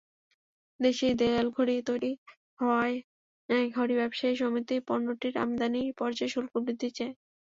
দেশেই দেয়ালঘড়ি তৈরি হওয়ায় ঘড়ি ব্যবসায়ী সমিতি পণ্যটির আমদানি পর্যায়ে শুল্ক বৃদ্ধি চায়।